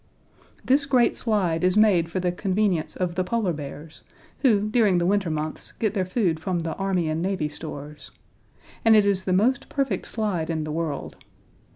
This great slide is made for the convenience of the Polar bears, who, during the winter months, get their food from the Army and Navy Stores and it is the most perfect slide in the world.